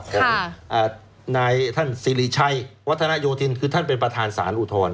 ของนายท่านสิริชัยวัฒนโยธินคือท่านเป็นประธานสารอุทธรณ์